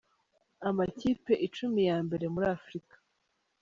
Amakipe icumi ya mbere muri Afurika.